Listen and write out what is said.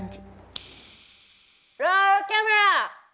ロールキャメラ！